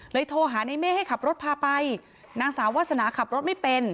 โทรหาในเมฆให้ขับรถพาไปนางสาววาสนาขับรถไม่เป็น